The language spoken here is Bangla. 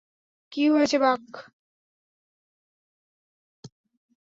কী হয়েছে, বাক?